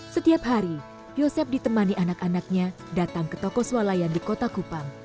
setiap hari yosep ditemani anak anaknya datang ke toko swalayan di kota kupang